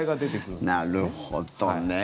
なるほどね。